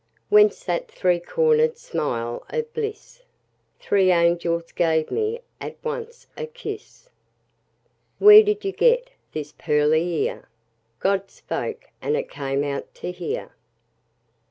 Whence that three corner'd smile of bliss? Three angels gave me at once a kiss. Where did you get this pearly ear? God spoke, and it came out to hear.